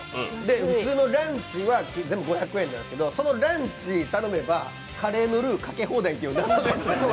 普通のランチは全部５００円なんですけど、そのランチ頼めば、カレーのルーかけ放題って。